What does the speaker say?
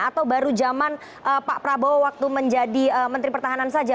atau baru zaman pak prabowo waktu menjadi menteri pertahanan saja